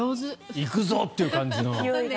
行くぞという感じの。